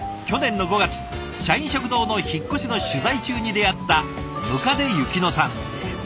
去年の５月社員食堂の引っ越しの取材中に出会った百足祐希乃さん。